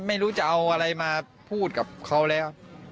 ไม่รู้จะเอาอะไรมาพูดกับเขาแล้ว